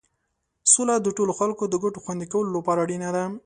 سوله د ټولو خلکو د ګټو خوندي کولو لپاره اړینه ده.